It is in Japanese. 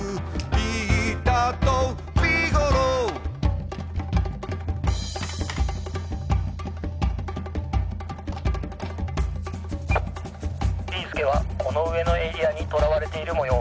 「ビーすけはこのうえのエリアにとらわれているもよう。